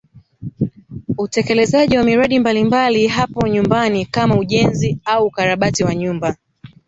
Utekelezaji wa miradi mbalimbali hapo nyumbani kama ujenzi au ukarabati wa nyumba